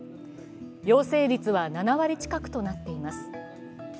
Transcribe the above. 陽性率は７割近くとなっています。